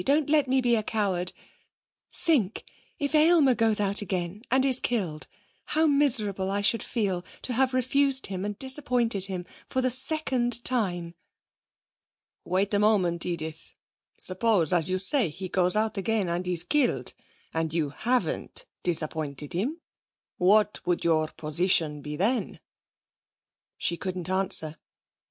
Don't let me be a coward! Think if Aylmer goes out again and is killed, how miserable I should feel to have refused him and disappointed him for the second time!' 'Wait a moment, Edith. Suppose, as you say, he goes out again and is killed, and you haven't disappointed him, what would your position be then?' She couldn't answer.